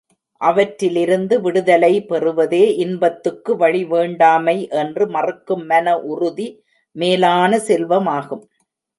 அவற்றிலிருந்து விடுதலை பெறுவதே இன்பத்துக்கு வழி வேண்டாமை என்று மறுக்கும் மன உறுதி மேலான செல்வமாகும்.